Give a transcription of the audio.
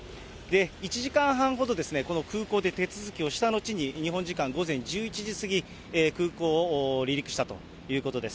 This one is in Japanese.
１時間半ほど、この空港で手続きをした後に、日本時間午前１１時過ぎ、空港を離陸したということです。